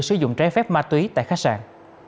sử dụng trái phép ma túy tại khách sạn